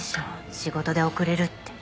仕事で遅れるって。